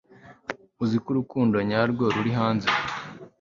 Uzi ko urukundo nyarwo ruri hanze